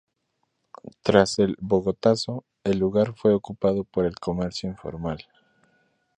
Tras el "Bogotazo" el lugar fue ocupado por el comercio informal.